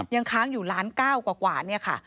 ยังค้างอยู่ล้านเก้ากว่าเนี่ยค่ะ